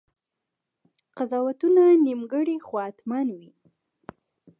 قضاوتونه نیمګړي خو حتماً وي.